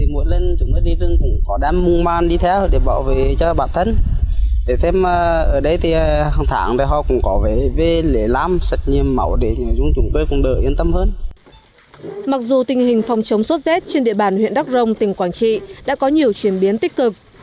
mặc dù tình hình phòng chống sốt z trên địa bàn huyện đắk rông tỉnh quảng trị đã có nhiều chuyển biến tích cực